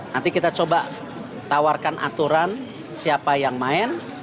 nanti kita coba tawarkan aturan siapa yang main